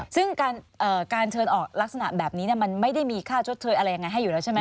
ซึ่งการเชิญออกลักษณะแบบนี้มันไม่ได้มีค่าชดเชยอะไรยังไงให้อยู่แล้วใช่ไหม